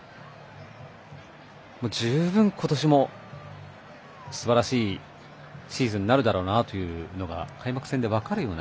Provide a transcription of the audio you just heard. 十分、今年もすばらしいシーズンになるだろうなというのが開幕戦で分かるような。